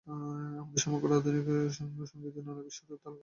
আমাদের সমগ্র আধুনিক সঙ্গীতে নানাবিধ সুরের তালগোল পাকাইয়া গিয়াছে।